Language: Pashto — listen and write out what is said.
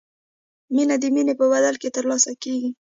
مینه د مینې په بدل کې ترلاسه کیږي.